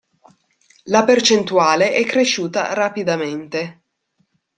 La percentuale è cresciuta rapidamente.